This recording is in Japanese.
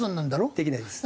できないです。